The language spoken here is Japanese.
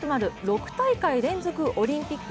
６大会連続オリンピック